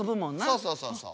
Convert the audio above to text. そうそうそうそう。